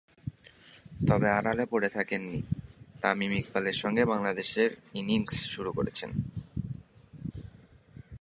তবে আড়ালে পড়ে থাকেননি, তামিম ইকবালের সঙ্গে বাংলাদেশের ইনিংস শুরু করেছেন।